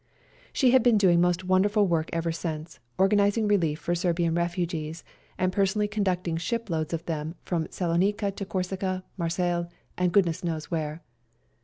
She had been doing most wonderful work ever since, organising relief for Serbian refugees and personally conducting shiploads of them N 2 184 SERBIAN CHRISTMAS DAY from Salonica to Corsica, Marseilles and goodness knows where.